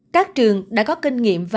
các trường đã có kinh nghiệm và